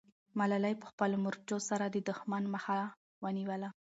ملالۍ په خپلو مرچو سره د دښمن مخه ونیوله.